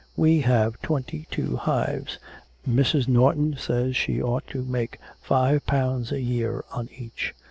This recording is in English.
We have twenty two hives. Mrs. Norton says she ought to make five pounds a year on each.